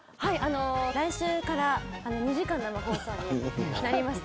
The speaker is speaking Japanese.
来週から２時間の生放送になりまして。